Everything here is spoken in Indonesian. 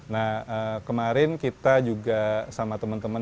nah kemarin kita juga sama teman teman